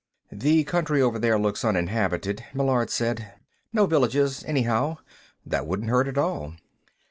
"The country over there looks uninhabited," Meillard said. "No villages, anyhow. That wouldn't hurt, at all."